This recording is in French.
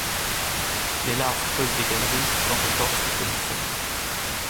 Les larves creusent des galeries dans l'écorce des conifères.